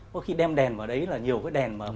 có khi đem đèn vào đấy là nhiều cái đèn mà